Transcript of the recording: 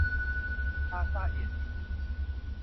พลาซ่าแอทธินี